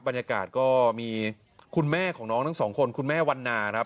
บรรยากาศก็มีคุณแม่ของน้องทั้งสองคนคุณแม่วันนาครับ